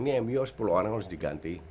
ini mu sepuluh orang harus diganti